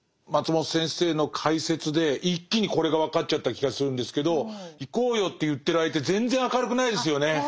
松本先生の解説で一気にこれが分かっちゃった気がするんですけどいこうよと言ってる相手全然明るくないですよね。